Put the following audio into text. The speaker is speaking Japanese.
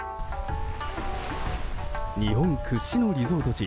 日本屈指のリゾート地